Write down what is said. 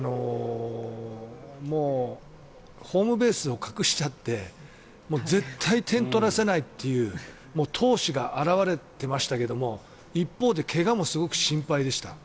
もうホームベースを隠しちゃって絶対点を取らせないという闘志が表れていましたが一方で怪我もすごく心配でした。